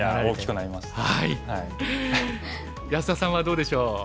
安田さんはどうでしょう？